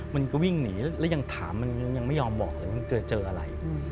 มันก็วิ่งหนีแล้วยังถามมันยังไม่ยอมบอกเลยว่ามันเจออะไร